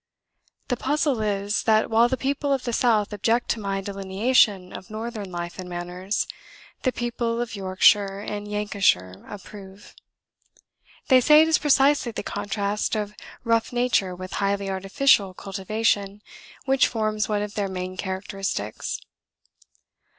The puzzle is, that while the people of the South object to my delineation of Northern life and manners, the people of Yorkshire and Lancashire approve. They say it is precisely the contrast of rough nature with highly artificial cultivation which forms one of their main characteristics.